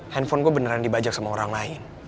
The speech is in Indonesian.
handphone gue beneran dibajak sama orang lain